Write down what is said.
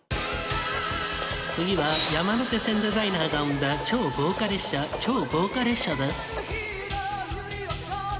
次は山手線デザイナーが生んだ超豪華列車超豪華列車です